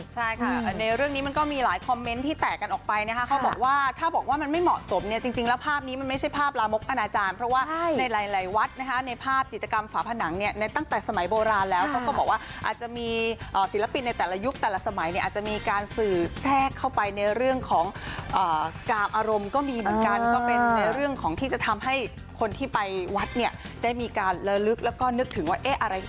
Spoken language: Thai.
ใช่ค่ะในเรื่องนี้มันก็มีหลายคอมเม้นท์ที่แตกกันออกไปนะคะเขาบอกว่าถ้าบอกว่ามันไม่เหมาะสมเนี่ยจริงแล้วภาพนี้มันไม่ใช่ภาพลามกประนาจารย์เพราะว่าในหลายวัดนะคะในภาพจิตกรรมฝาผนังเนี่ยในตั้งแต่สมัยโบราณแล้วเขาก็บอกว่าอาจจะมีศิลปินในแต่ละยุคแต่ละสมัยเนี่ยอาจจะมีการสื่อแท